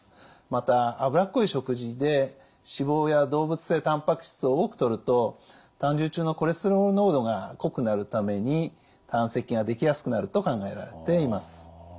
また脂っこい食事で脂肪や動物性たんぱく質を多くとると胆汁中のコレステロール濃度が濃くなるために胆石ができやすくなると考えられています。